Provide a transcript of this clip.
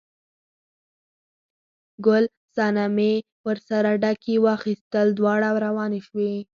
ګل صنمې ورسره ډکي واخیستل، دواړه روانې شوې.